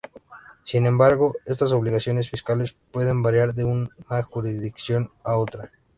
Sin embargo, estas obligaciones fiscales pueden variar de una jurisdicción a otra.